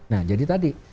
nah jadi tadi